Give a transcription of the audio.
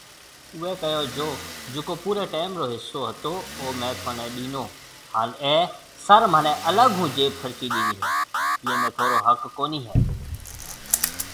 اوئي ڪهيو جو جڪو پوري ٽيم رو حصو هتو او مين ٿوني ڏينو هان اي سر مهني الگ ھونجيب خرچي ڏيني هي ايئي ۾ ٿونرو حق ڪونهي هي